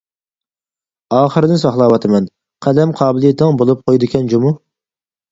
. ئاخىرىنى ساقلاۋاتىمەن. قەلەم قابىلىيىتىڭ بولۇپ قويىدىكەن جۇمۇ.